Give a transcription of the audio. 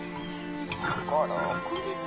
心を込めて。